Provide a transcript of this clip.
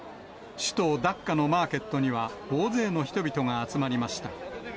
首都ダッカのマーケットには、大勢の人々が集まりました。